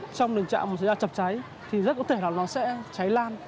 trong đường chạm xảy ra chập cháy thì rất có thể là nó sẽ cháy lan